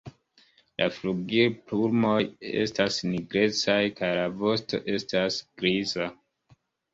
La flugilplumoj estas nigrecaj kaj la vosto estas griza.